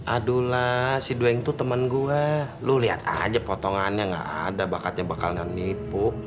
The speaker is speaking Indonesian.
aduh lah si dueng tuh temen gue lo lihat aja potongannya nggak ada bakatnya bakal nganipuk